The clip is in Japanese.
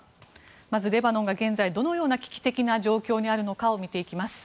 まず、レバノンが現在どのような危機的状況にあるのかを見ていきます。